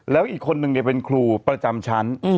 แล้วอีกคนนึงเป็นครูประจำชั้น